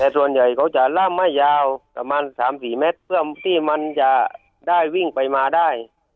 แต่ส่วนใหญ่เขาจะล่ำไม่ยาวประมาณ๓๔เมตรเพื่อที่มันจะได้วิ่งไปมาได้